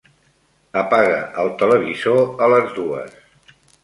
Apaga el televisor a les dues.